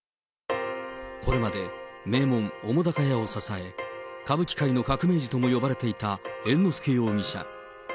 これまで名門、澤瀉屋を支え、歌舞伎界の革命児とも呼ばれていた猿之助容疑者。